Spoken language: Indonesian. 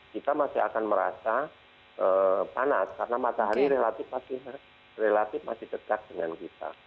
kita masih akan merasa panas karena matahari relatif masih dekat dengan kita